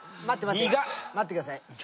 待ってください。